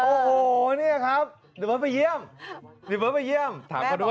โอ้โหนี่แหละครับเดี๋ยวเบิร์ตไปเยี่ยม